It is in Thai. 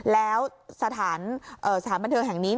แล้วสถานบันเทิงแห่งนี้